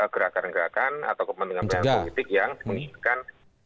gerakan gerakan atau kepentingan kepentingan politik yang menginginkan